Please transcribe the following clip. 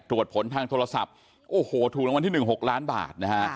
ผลทางโทรศัพท์โอ้โหถูกรางวัลที่๑๖ล้านบาทนะฮะ